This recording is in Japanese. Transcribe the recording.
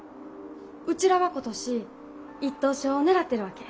うちらは今年１等賞を狙ってるわけ。